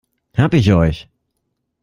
Hab ich euch!